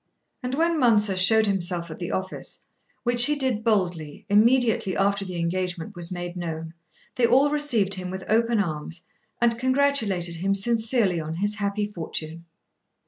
And when Mounser showed himself at the office, which he did boldly, immediately after the engagement was made known, they all received him with open arms and congratulated him sincerely on his happy fortune.